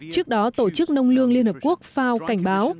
trước đó tổ chức nông lương liên hợp quốc fao cảnh báo